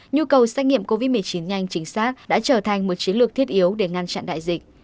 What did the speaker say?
nhu cầu xét nghiệm covid một mươi chín nhanh chính xác đã trở thành một chiến lược thiết yếu để ngăn chặn đại dịch